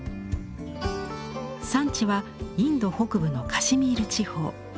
産地はインド北部のカシミール地方。